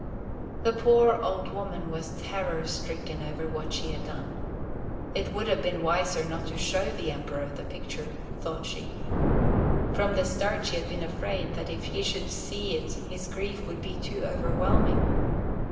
The poor old woman was terror stricken over what she had done. It would have been wiser not to show the Emperor the picture, thought she. From the start she had been afraid that if he should see it his grief would be too overwhelming.